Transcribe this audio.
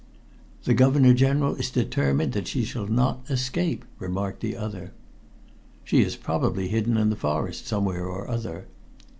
"The Governor General is determined that she shall not escape," remarked the other. "She is probably hidden in the forest, somewhere or other."